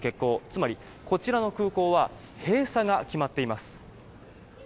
つまり、こちらの空港は閉鎖が決まっています。